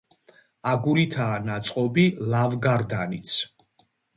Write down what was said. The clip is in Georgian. აგურითაა ნაწყობი ლავგარდანიც.